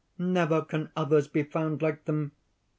Never can others be found like them.